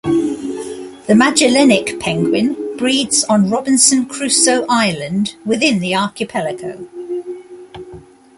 The Magellanic penguin breeds on Robinson Crusoe Island within the archipelago.